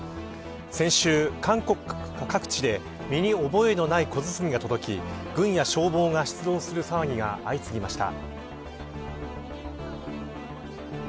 先週、韓国各地で身に覚えのない小包が届き軍や消防が出動する騒ぎが相次ぎました。